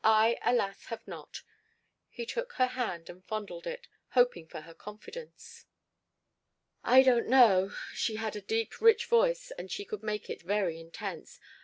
I, alas! have not." He took her hand and fondled it, hoping for her confidence. "I don't know." She had a deep rich voice and she could make it very intense.